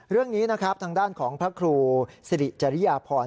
เรื่องนี้นะครับทางด้านของพระครูสิริจริยพร